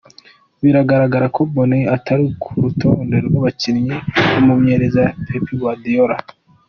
Biragaragara ko Bony atari ku rutonde rw'abakinyi umumenyereza Pep Guardiola.